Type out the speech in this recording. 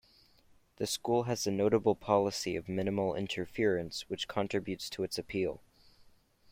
The school has a notable policy of minimal interference which contributes to its appeal.